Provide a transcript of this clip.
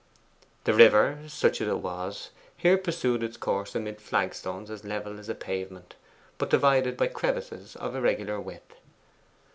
The river such as it was here pursued its course amid flagstones as level as a pavement, but divided by crevices of irregular width.